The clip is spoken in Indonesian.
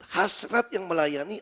hasrat yang melayani